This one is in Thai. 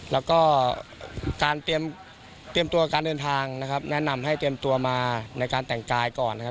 แล้วก็การเตรียมตัวการเดินทางนะครับแนะนำให้เตรียมตัวมาในการแต่งกายก่อนนะครับ